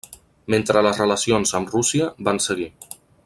Mentre les relacions amb Rússia van seguir.